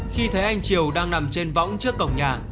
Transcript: khi thấy anh triều đang nằm trên võng trước cổng nhà